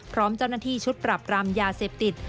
พร้อมเจ้าหน้าที่ชุดปรับรามยาเสพติด